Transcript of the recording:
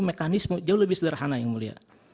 mekanisme jauh lebih sederhana yang mulia